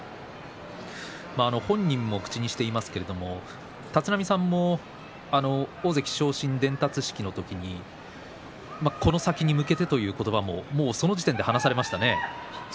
本人も口にしていますけれども立浪さんも大関昇進伝達式の時にこの先に向けてという言葉もその時点で話されましたね。